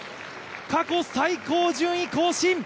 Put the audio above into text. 過去最高順位更新。